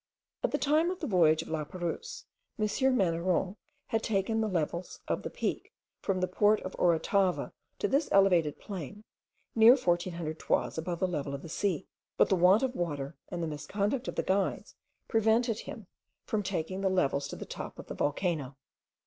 At the time of the voyage of Laperouse, M. Manneron had taken the levels of the peak, from the port of Orotava to this elevated plain, near 1400 toises above the level of the sea; but the want of water, and the misconduct of the guides, prevented him from taking the levels to the top of the volcano.